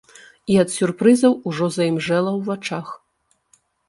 І ад сюрпрызаў ужо заімжэла ў вачах.